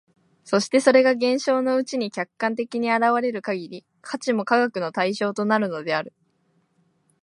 そしてそれが現象のうちに客観的に現れる限り、価値も科学の対象となるのである。